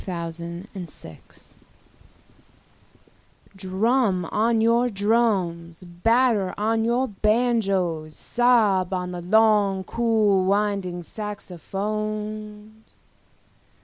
Jazz Fantasia DRUM on your drums, batter on your banjoes, sob on the long cool winding saxophones.